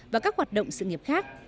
và các hoạt động sự nghiệp khác